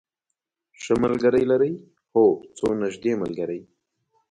ښه ملګری لرئ؟ هو، څو نږدې ملګری